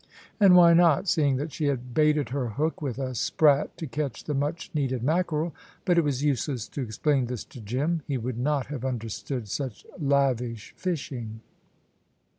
And why not, seeing that she had baited her hook with a sprat to catch the much needed mackerel? But it was useless to explain this to Jim. He would not have understood such lavish fishing.